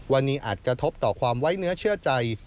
วันนี้อาจกระทบต่อความไว้เนื้อเชื่อใจ